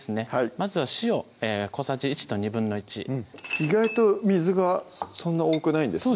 まずは塩小さじ１と１／２意外と水がそんな多くないんですね